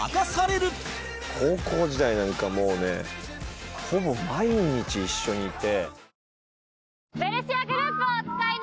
高校時代なんかもうねほぼ毎日一緒にいて。